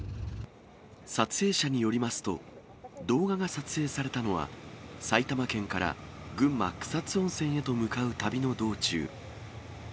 撮影者によりますと、動画が撮影されたのは、埼玉県から群馬・草津温泉へと向かう旅の道中。